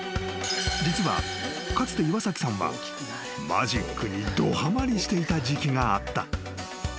［実はかつて岩崎さんはマジックにどはまりしていた時期があった］